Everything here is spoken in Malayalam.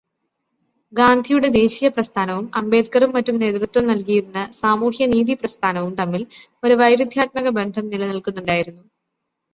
ഗാന്ധിയുടെ ദേശീയപ്രസ്ഥാനവും അംബേദ്കറും മറ്റും നേതൃത്വം നല്കിയിരുന്ന സാമൂഹ്യനീതി പ്രസ്ഥാനവും തമ്മില് ഒരു വൈരുദ്ധ്യാത്മകബന്ധം നിലനില്ക്കുന്നുണ്ടായിരുന്നു.